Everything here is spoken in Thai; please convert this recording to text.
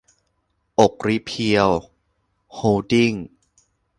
อกริเพียว โฮลดิ้งส์